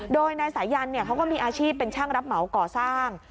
โดยนายสายันเขาก็มีอาชีพเป็นช่างรับเหมาก่อสร้าง